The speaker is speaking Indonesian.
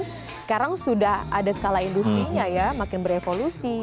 sekarang sudah ada skala industri nya ya makin berevolusi